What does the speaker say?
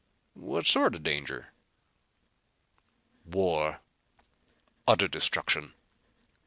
"What sort of a danger?" "War! Utter destruction!